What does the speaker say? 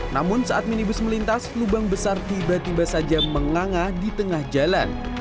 namun saat minibus melintas lubang besar tiba tiba saja menganga di tengah jalan